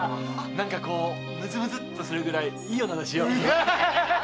なんかこうムズムズっとするくらいいい女だしよ。